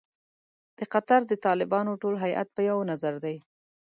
د قطر د طالبانو ټول هیات په یوه نظر دی.